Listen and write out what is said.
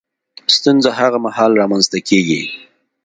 ستونزه هغه مهال رامنځ ته کېږي